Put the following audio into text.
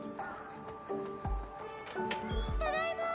ただいま！